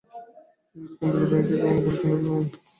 কিন্তু কেন্দ্রীয় ব্যাংক এখনো কোনো পরীক্ষা নেয়নি।